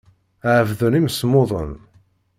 Ɛebden imsemmuden.